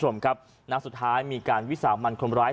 ในหนักสุดท้ายมีการวิสาวบรรคมร้าย